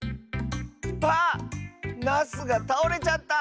あっナスがたおれちゃった！